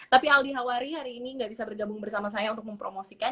tapi aldi hawari hari ini nggak bisa bergabung bersama saya untuk mempromosikan